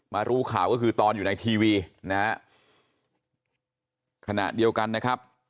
รู้ข่าวก็คือตอนอยู่ในทีวีนะฮะขณะเดียวกันนะครับ